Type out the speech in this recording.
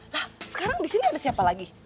nah sekarang disini ada siapa lagi